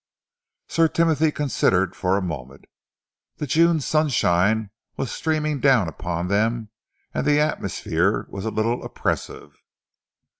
Sir Timothy considered for a moment. The June sunshine was streaming down upon them and the atmosphere was a little oppressive.